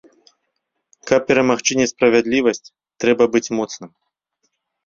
Каб перамагчы несправядлівасць, трэба быць моцным.